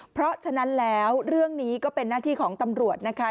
เพราะฉะนั้นแล้วเรื่องนี้ก็เป็นหน้าที่ของตำรวจนะคะ